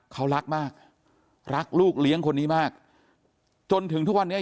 เขารักมากรักลูกเลี้ยงคนนี้มากจนถึงทุกวันนี้